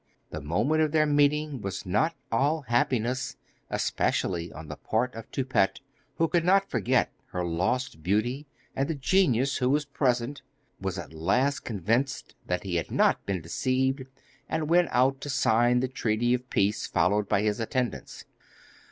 The moment of their meeting was not all happiness, especially on the part of Toupette, who could not forget her lost beauty, and the genius, who was present, was at last convinced that he had not been deceived, and went out to sign the treaty of peace, followed by his attendants.